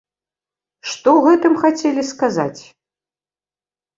Што гэтым хацелі сказаць?